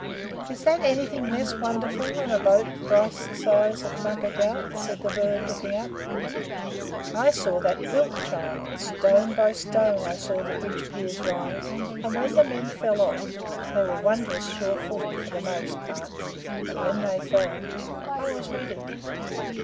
"Is that anything less wonderful than a boat thrice the size of Mugger Ghaut?" said the bird, looking up. "I saw that built, child. Stone by stone I saw the bridge piers rise, and when the men fell off (they were wondrous sure footed for the most part but WHEN they fell) I was ready.